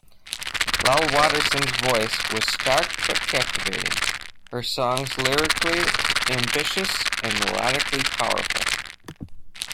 'Lal Waterson's voice was stark but captivating, her songs lyrically ambitious and melodically powerful.